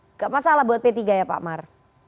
tidak masalah buat p tiga ya pak mar